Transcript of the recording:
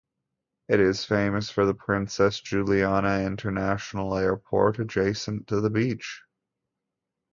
It is famous for the Princess Juliana International Airport adjacent to the beach.